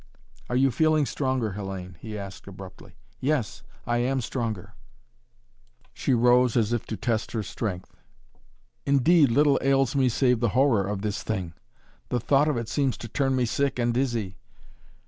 "Are you feeling stronger, Hellayne?" he asked abruptly. "Yes I am stronger!" She rose as if to test her strength. "Indeed little ails me save the horror of this thing. The thought of it seems to turn me sick and dizzy."